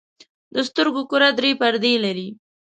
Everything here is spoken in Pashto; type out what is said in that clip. د سترګو کره درې پردې لري.